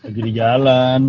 lagi di jalan